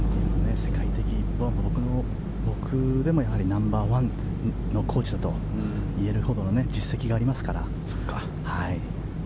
僕でもナンバーワンのコーチだと言えるほどの実績がありますから。